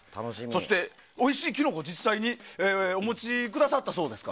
そして、おいしいキノコを実際にお持ちくださったそうです。